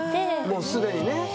もうすでにね。